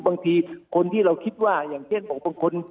บางทีคนที่เราคิดว่าอย่างเช่นบอกบางคน